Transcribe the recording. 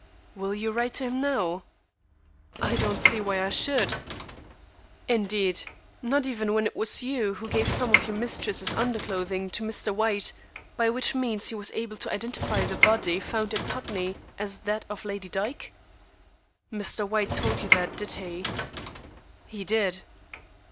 "Will you write to him now?" "I don't see why I should." "Indeed. Not even when it was you who gave some of your mistress's underclothing to Mr. White, by which means he was able to identify the body found at Putney as that of Lady Dyke?" "Mr. White told you that, did he?" "He did."